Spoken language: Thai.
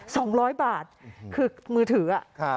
สองร้อยบาทคือมือถือ